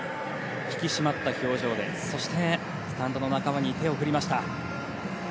引き締まった表情でそして、スタンドの仲間に手を振りました。